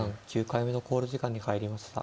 ９回目の考慮時間に入りました。